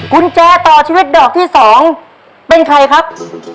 กุญแจต่อชีวิตดอกที่๒เป็นใครครับ